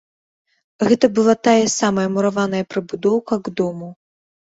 Гэта была тая самая мураваная прыбудоўка к дому.